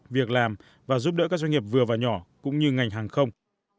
việc làm và giúp đỡ các doanh nghiệp vừa và nhỏ cũng như ngành hàng không